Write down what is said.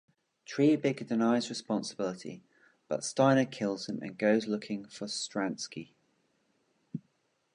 Triebig denies responsibility, but Steiner kills him and goes looking for Stransky.